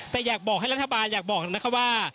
แต่อยากบอกให้รัฐบาลอยากบอกนะคะว่า